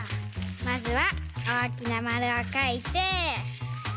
まずはおおきなまるをかいて。